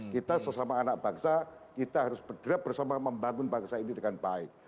kita sesama anak bangsa kita harus berderap bersama membangun bangsa ini dengan baik